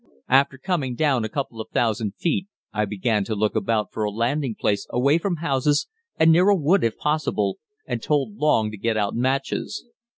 After coming down a couple of thousand feet I began to look about for a landing place away from houses and near a wood if possible, and told Long to get out matches.